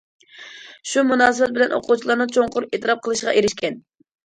شۇ مۇناسىۋەت بىلەن ئوقۇغۇچىلارنىڭ چوڭقۇر ئېتىراپ قىلىشىغا ئېرىشكەن.